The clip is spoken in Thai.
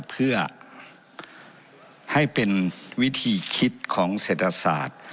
เพื่อให้เป็นวิธีคิดของเศรษฐศาสตร์